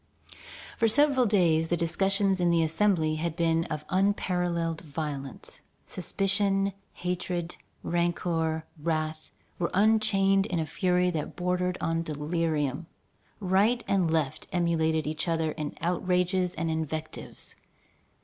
For several days the discussions in the Assembly had been of unparalleled violence. Suspicion, hatred, rancor, wrath, were unchained in a fury that bordered on delirium. Right and left emulated each other in outrages and invectives.